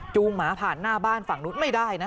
หมาผ่านหน้าบ้านฝั่งนู้นไม่ได้นะ